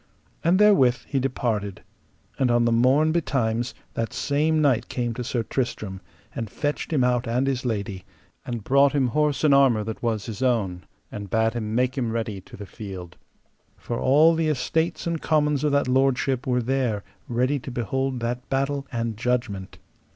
And therewith he departed, and on the morn betimes that same knight came to Sir Tristram, and fetched him out and his lady, and brought him horse and armour that was his own, and bade him make him ready to the field, for all the estates and commons of that lordship were there ready to behold that battle and judgment.